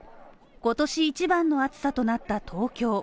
今年一番の暑さとなった東京。